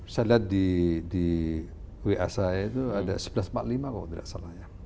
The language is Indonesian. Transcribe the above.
saya lihat di wa saya itu ada sebelas empat puluh lima kalau tidak salah ya